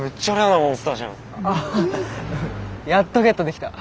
やっとゲットできた。